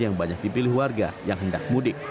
yang banyak dipilih warga yang hendak mudik